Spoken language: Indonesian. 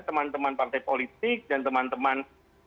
teman teman partai politik dan teman teman